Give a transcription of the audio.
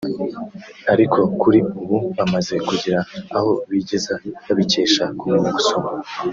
ariko kuri ubu bamaze kugira aho bigeza babikesha kumenya gusoma